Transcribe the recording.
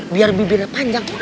biar bibirnya panjang